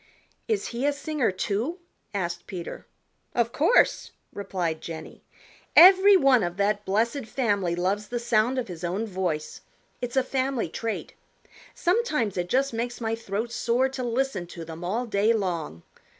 "Is he a singer, too?" asked Peter. "Of course," replied Jenny. "Every one of that blessed family loves the sound of his own voice. It's a family trait. Sometimes it just makes my throat sore to listen to them all day long.